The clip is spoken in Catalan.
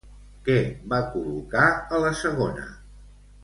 Què va col·locar a la segona?